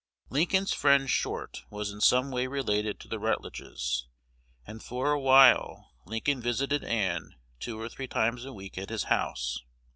Lincoln's friend Short was in some way related to the Rutledges, and for a while Lincoln visited Ann two or three times a week at his house.